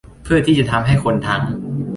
เพื่อที่จะทำให้คนทั้ง